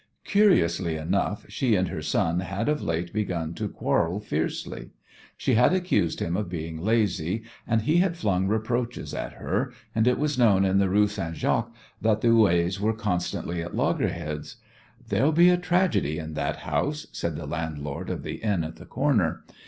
Curiously enough, she and her son had of late begun to quarrel fiercely. She had accused him of being lazy, and he had flung reproaches at her, and it was known in the Rue St. Jacques that the Houets were constantly at loggerheads. "There'll be a tragedy in that house," said the landlord of the inn at the corner.